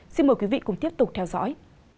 xin mời quý vị cùng tiếp tục theo dõi